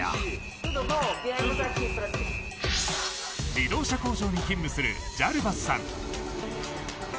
自動車工場に勤務するジャルバスさん。